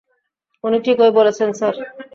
উনি ঠিকই বলেছেন, স্যার।